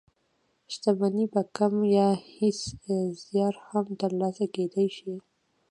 شتمني په کم يا هېڅ زيار هم تر لاسه کېدلای شي.